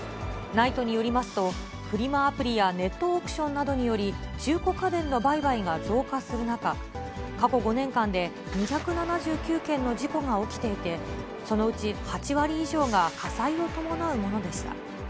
ＮＩＴＥによりますと、フリマアプリやネットオークションなどにより、中古家電の売買が増加する中、過去５年間で２７９件の事故が起きていて、そのうち８割以上が火災を伴うものでした。